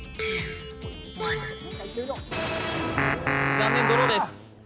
残念ドローです。